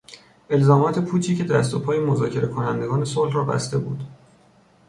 الزامات پوچی که دست و پای مذاکره کنندگان صلح را بسته بود